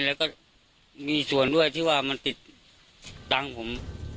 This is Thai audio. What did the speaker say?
แล้วก็มีส่วนด้วยที่ว่ามันติดตังค์ผม